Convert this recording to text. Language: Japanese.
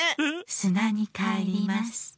すなにかえります。